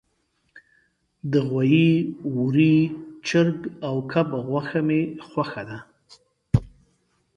د غوایی، وری، چرګ او کب غوښه می خوښه ده